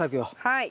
はい。